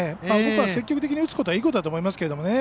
積極的に打つことはいいことだと思いますけどね。